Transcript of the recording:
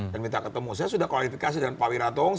dan minta ketemu saya sudah klaksifikasi dengan pak wiratong